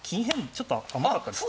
ちょっと甘かったですか？